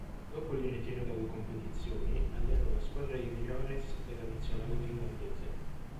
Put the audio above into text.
Dopo il ritiro dalle competizioni allenò la squadra juniores della nazionale finlandese.